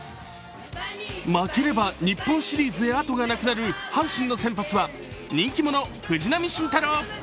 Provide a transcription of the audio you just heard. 負ければ日本シリーズへあとがなくなる阪神の先発は人気者、藤浪晋太郎。